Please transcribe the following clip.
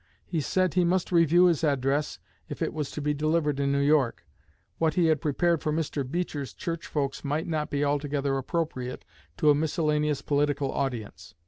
He said he must review his address if it was to be delivered in New York. What he had prepared for Mr. Beecher's church folks might not be altogether appropriate to a miscellaneous political audience.